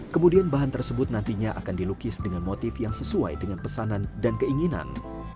kemudian bahan tersebut nantinya akan dilukis dengan motif yang sesuai dengan pesanan dan keinginan